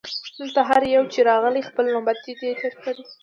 دلته هر یو چي راغلی خپل نوبت یې دی تېر کړی